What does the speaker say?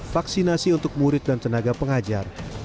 vaksinasi untuk murid dan tenaga pengajar